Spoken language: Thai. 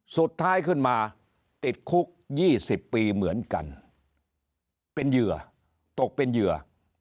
สุดท้ายขึ้นมาติดคุก๒๐ปีเหมือนกันเป็นเหยื่อตกเป็นเหยื่อ